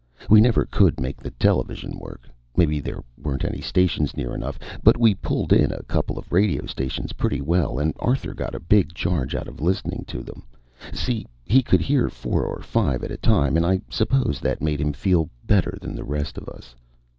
We never could make the television work maybe there weren't any stations near enough. But we pulled in a couple of radio stations pretty well and Arthur got a big charge out of listening to them see, he could hear four or five at a time and I suppose that made him feel better than the rest of us.